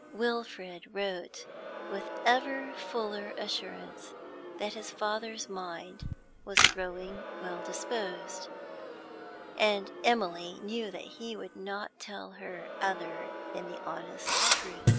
Wilfrid wrote with ever fuller assurance that his father's mind was growing well disposed, and Emily knew that he would not tell her other than the honest truth.